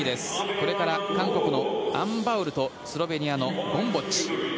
これから韓国のアン・バウルとスロベニアのゴムボッチ。